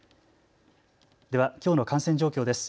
では、きょうの感染状況です。